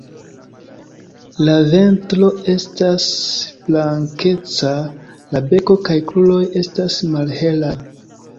La ventro estas blankeca, la beko kaj kruroj estas malhelaj.